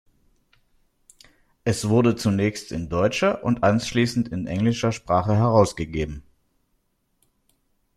Es wurde zunächst in deutscher und anschließend in englischer Sprache herausgegeben.